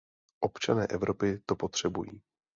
Občané Evropy to potřebují.